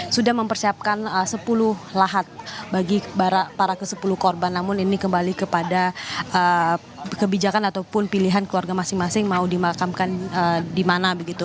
sudah mempersiapkan sepuluh lahat bagi para ke sepuluh korban namun ini kembali kepada kebijakan ataupun pilihan keluarga masing masing mau dimakamkan di mana begitu